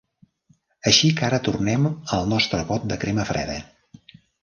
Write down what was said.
Així que ara tornem al nostre pot de crema freda.